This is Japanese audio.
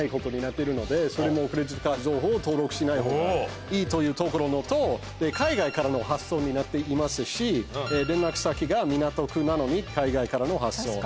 クレジットカード情報を登録しないほうがいいというところのと海外からの発送になっていますし連絡先が港区なのに海外からの発送。